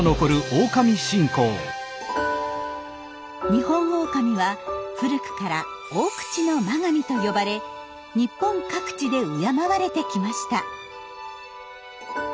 ニホンオオカミは古くから「大口の眞神」と呼ばれ日本各地で敬われてきました。